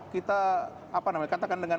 kita apa namanya katakan dengan